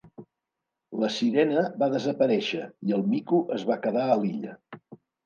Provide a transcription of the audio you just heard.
La sirena va desaparèixer i el mico es va quedar a l'illa.